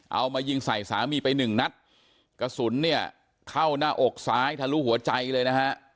เอามายิงใส่สามีไปหนึ่งนัดกระสุนเนี่ยเข้าหน้าอกซ้ายทะลุหัวใจเลยนะฮะ